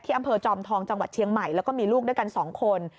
อำเภอจอมทองจังหวัดเชียงใหม่แล้วก็มีลูกด้วยกัน๒คน